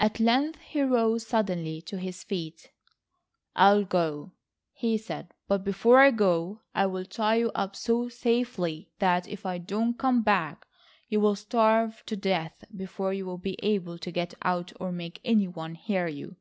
At length he rose suddenly to his feet. "I'll go," he said, "but before I go, I'll tie you up so safely that, if I don't come back, you'll starve to death before you'll be able to get out or make any one hear you.